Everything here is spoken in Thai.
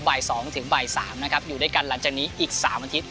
บ่าย๒ถึงบ่าย๓นะครับอยู่ด้วยกันหลังจากนี้อีก๓อาทิตย